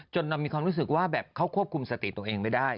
เรามีความรู้สึกว่าแบบเขาควบคุมสติตัวเองไม่ได้